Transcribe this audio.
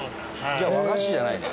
じゃあ和菓子じゃないね。